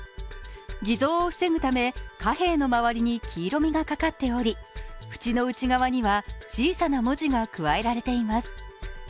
偽造を防ぐため貨幣のまわりに黄色みがかかっており縁の内側には小さな文字が加えられています。